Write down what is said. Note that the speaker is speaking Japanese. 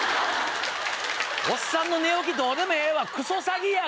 おっさんの寝起きどうでもええわクソ詐欺や！